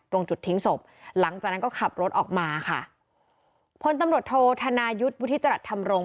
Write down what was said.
ตรงจุดทิ้งศพหลังจากนั้นก็ขับรถออกมาค่ะพลตำรวจโทษธนายุทธ์วุฒิจรัสธรรมรงค